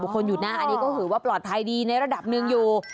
คนอยู่หน้าอันนี้ก็ถือว่าปลอดภัยดีในระดับหนึ่งอยู่